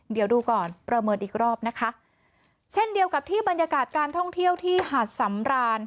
เดี๋ยวดูก่อนประเมินอีกรอบนะคะเช่นเดียวกับที่บรรยากาศการท่องเที่ยวที่หาดสำราน